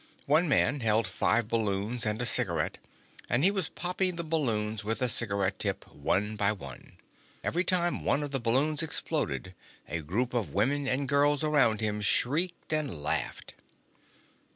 One man held five balloons and a cigarette, and he was popping the balloons with the cigarette tip, one by one. Every time one of the balloons exploded, a group of women and girls around him shrieked and laughed.